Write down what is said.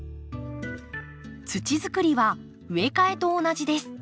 土作りは植え替えと同じです。